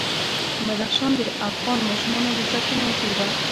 بدخشان د افغان ماشومانو د زده کړې موضوع ده.